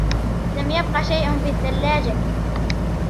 لم يبقَ شيء في الثلاجة.